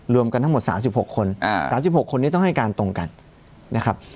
รวมกันทั้งหมด๓๖คน๓๖คนนี้ต้องให้การตรงกันนะครับ